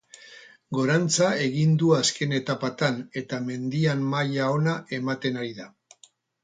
Gorantza egin du azken etapetan eta mendian maila ona ematen ari da.